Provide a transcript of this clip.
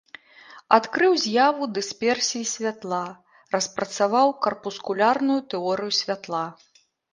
Адкрыў з'яву дысперсіі святла, распрацаваў карпускулярную тэорыю святла.